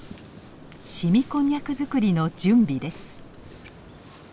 凍みこんにゃく作りの準備です。